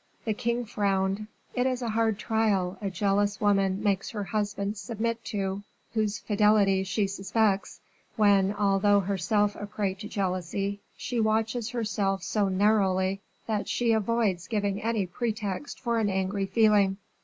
The king frowned; it is a hard trial a jealous woman makes her husband submit to whose fidelity she suspects, when, although herself a prey to jealousy, she watches herself so narrowly that she avoids giving any pretext for an angry feeling.